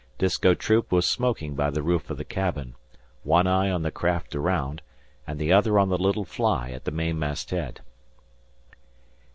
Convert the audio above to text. Disko Troop was smoking by the roof of the cabin one eye on the craft around, and the other on the little fly at the main mast head.